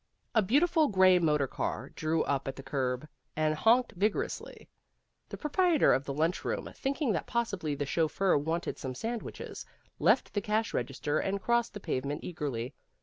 A beautiful gray motor car drew up at the curb, and honked vigorously. The proprietor of the lunchroom, thinking that possibly the chauffeur wanted some sandwiches, left the cash register and crossed the pavement eagerly.